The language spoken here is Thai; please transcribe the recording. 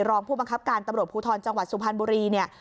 รองผู้บังคับการตำรวจภูทรจังหวัดสุพรรณบุรีเนี่ย